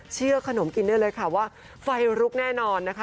ขนมกินได้เลยค่ะว่าไฟลุกแน่นอนนะคะ